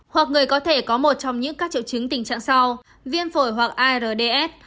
hoặc người có thể có một trong những các triệu chứng tình trạng sau viêm phổi hoặc ards